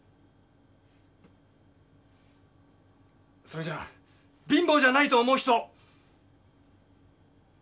それじゃあ貧乏じゃないと思う人！